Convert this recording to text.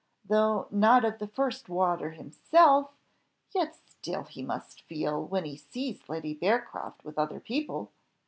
Though not of the first water himself, yet still he must feel, when he sees Lady Bearcroft with other people!